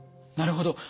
なるほど。